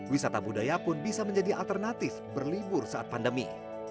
wisata budaya pun bisa menjadi alternatif berlibur saat pandemi